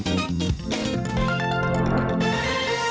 เพื่อไปนะครับสวัสดีครับ